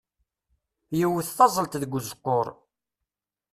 Yewwet taẓẓelt deg uzeqqur.